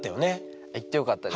行ってよかったです。